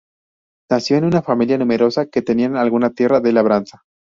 Nació en una familia numerosa que tenían alguna tierra de labranza.